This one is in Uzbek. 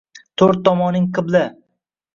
Toʻrt tomoning qibla